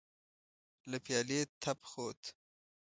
له پيالې تپ خوت.